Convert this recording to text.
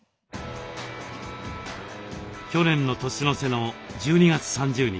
去年の年の瀬の１２月３０日。